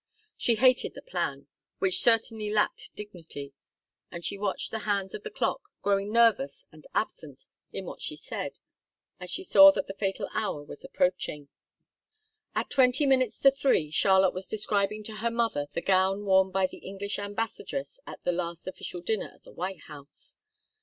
She hated the plan, which certainly lacked dignity, and she watched the hands of the clock, growing nervous and absent in what she said, as she saw that the fatal hour was approaching. At twenty minutes to three Charlotte was describing to her mother the gown worn by the English ambassadress at the last official dinner at the White House.